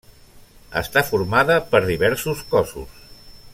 Està formada per diversos cossos.